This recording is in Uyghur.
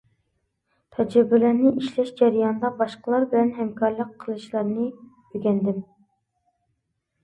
تەجرىبىلەرنى ئىشلەش جەريانىدا باشقىلار بىلەن ھەمكارلىق قىلىشلارنى ئۆگەندىم.